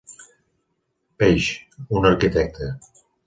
Page, un arquitecte.